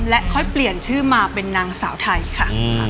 และค่อยเปลี่ยนชื่อมาเป็นนางสาวไทยค่ะ